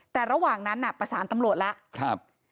แต่ระหว่างนั้นประสานตำรวจล่ะครับ